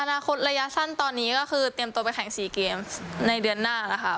อนาคตระยะสั้นตอนนี้ก็คือเตรียมตัวไปแข่งสี่เกมส์ในเดือนหน้า